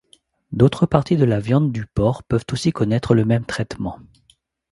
D'autres parties de la viande du porc peuvent aussi connaitre le même traitement.